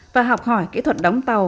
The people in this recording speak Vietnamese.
và học hỏi kỹ thuật đóng tàu